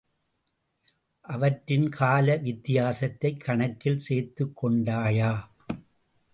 அவற்றின் கால வித்தியாசத்தைக் கணக்கில் சேர்த்துக்கொண்டாயா?